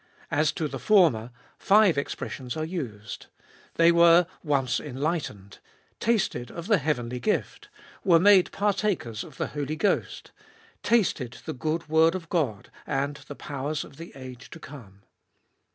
As to the former, five expressions are used. They were once enlightened; tasted of the heavenly gift; were made partakers of the Holy Ghost ; tasted the good word of God ; and the powers of the age to come.